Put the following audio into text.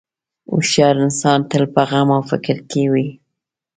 هوښیار انسان تل په غم او فکر کې وي.